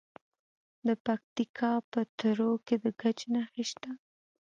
د پکتیکا په تروو کې د ګچ نښې شته.